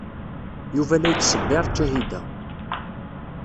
Yuba la yettṣebbir Ǧahida.